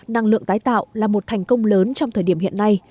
năng lượng tái tạo là một thành công lớn trong thời điểm hiện nay